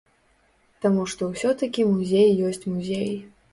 Таму што ўсё-такі музей ёсць музей.